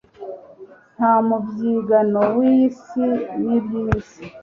nta mubyigano w'iyi si n'iby'iyi